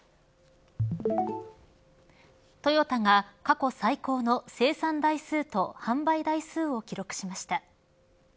トヨタが過去最高の生産台数と販売台数を記録しました。